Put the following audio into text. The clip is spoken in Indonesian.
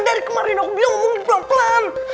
dari kemarin aku biar ngomong pelan pelan